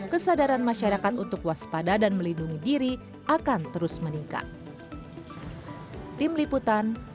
kesadaran masyarakat untuk waspada dan melindungi diri akan terus meningkat